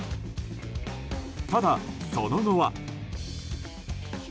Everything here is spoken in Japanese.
ただ、その後は。